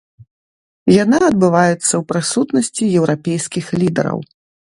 Яна адбываецца ў прысутнасці еўрапейскіх лідараў.